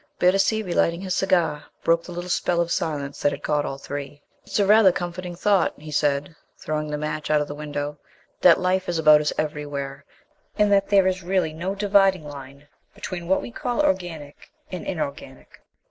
Bittacy, relighting his cigar, broke the little spell of silence that had caught all three. "It's rather a comforting thought," he said, throwing the match out of the window, "that life is about us everywhere, and that there is really no dividing line between what we call organic and inorganic."